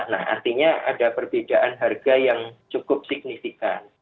nah artinya ada perbedaan harga yang cukup signifikan